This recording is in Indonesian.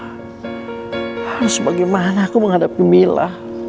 harus bagaimana aku menghadapi mila